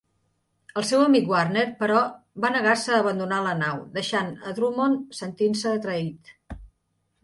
El seu amic Warner, però, va negar-se a abandonar la nau, deixant a Drummond sentint-se traït.